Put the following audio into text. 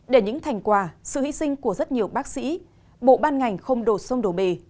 để những thành quả sự hy sinh của rất nhiều bác sĩ bộ ban ngành không đổ xôm đổ bề